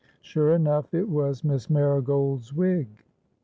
Sure enough, it was Miss Marigold's wig.